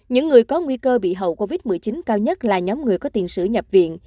những người có nguy cơ bị hậu covid một mươi chín cao nhất là nhóm người có tiền sử nhập viện